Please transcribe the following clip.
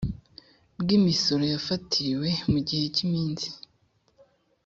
bw imisoro imisoro yafatiriwe mu gihe cy iminsi